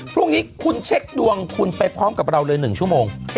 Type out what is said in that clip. พรุ่งนี้คุณเช็คดวงคุณไปพร้อมกับเราเลย๑ชั่วโมง